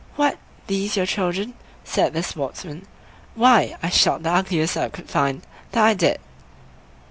"What! these your children!" said the Sportsman; "why, I shot the ugliest I could find, that I did!"